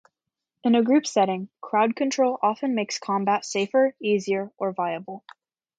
In a group setting, crowd control often makes combat safer, easier, or viable.